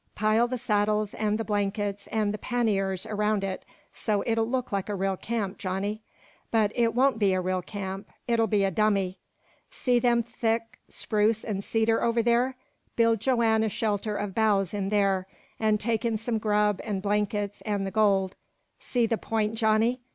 "Pile the saddles, an' the blankets, an' the panniers around it, so it'll look like a real camp, Johnny. But it won't be a real camp. It'll be a dummy. See them thick spruce an' cedar over there? Build Joanne a shelter of boughs in there, an' take in some grub, an' blankets, an' the gold. See the point, Johnny?